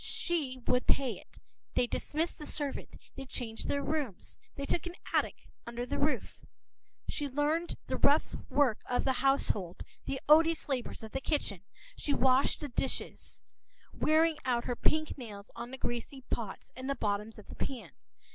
She would pay it. They dismissed the servant; they changed their rooms; they took an attic under the roof. She learned the rough work of the household, the odious labors of the kitchen. She washed the dishes, wearing out her pink nails on the greasy pots and the bottoms of the pans.